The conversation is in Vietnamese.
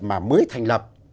mà mới thành lập